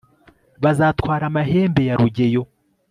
bazatwara amahembe ya rugeyo